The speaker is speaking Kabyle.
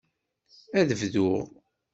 Ad bduɣ.